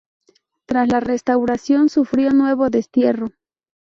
Tras la Restauración sufrió nuevo destierro.